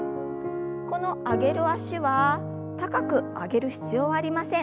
この上げる脚は高く上げる必要はありません。